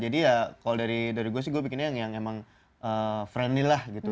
jadi ya kalau dari gue sih gue bikin yang emang friendly lah gitu